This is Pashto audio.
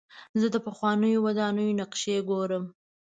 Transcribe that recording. زه د پخوانیو ودانیو نقشې ګورم.